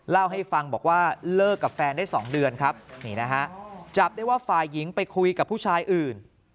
เล่าให้ฟังบอกว่าเลิกกับแฟนได้๒เดือนครับนี่นะฮะจับได้ว่าฝ่ายหญิงไปคุยกับผู้ชายอื่น